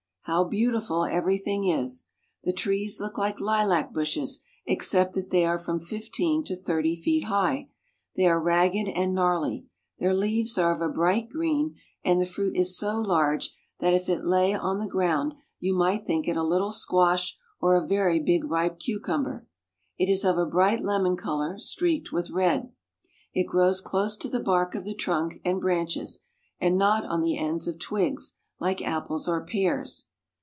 How beautiful everything is! The trees look Uke Hlac bushes, except that they are from fifteen to thirty feet high. They are ragged and gnarly. Their leaves are of a bright green, and the fruit is so large that if it lay on GENERAL VIEW. 33 the ground you might think it a little squash or a very big ripe cucumber. It is of a bright lemon color, streaked with red. It grows close to the bark of the trunk and branches, and not on the ends of twigs like apples or pears.